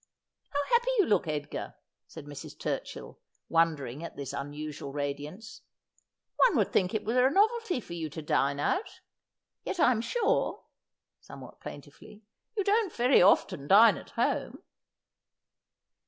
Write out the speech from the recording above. ' How happy you look, Edgar !' said Mrs. Turchill, wondering at this unusual radiance. ' One would think it were a novelty for you to dine out. Yet I am sure,' somewhat plaintively, ' you don't very often dine at home.'